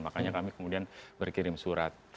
makanya kami kemudian berkirim surat